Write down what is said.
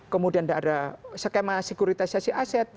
kemudian tidak ada skema sekuritisasi aset